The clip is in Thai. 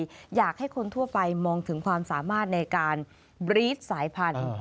อยากให้คนทั่วไปมองถึงความสามารถในการบรีสสายพันธุ์